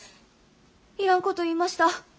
いらんこと言いました。